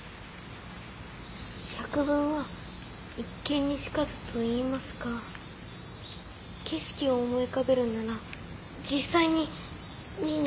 「百聞は一見にしかず」といいますか景色を思い浮かべるんなら実際に見に行くべきやないかと。